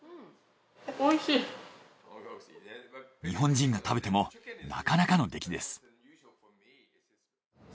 日本人が食べてもなかなかの出来です。